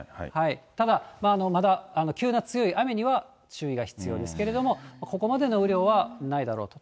ただ、まだ急な強い雨には注意が必要ですけれども、ここまでの雨量はないだろうと。